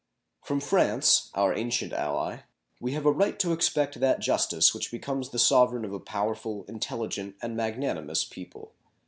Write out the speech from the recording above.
From France, our ancient ally, we have a right to expect that justice which becomes the sovereign of a powerful, intelligent, and magnanimous people.